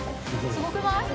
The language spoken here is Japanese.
・すごくない？